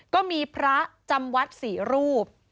ก็มีพระจำวัด๔รูป